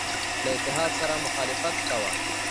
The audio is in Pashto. له اتحاد سره مخالفت کاوه.